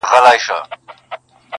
هسي رنګه چي له ژونده یې بېزار کړم.!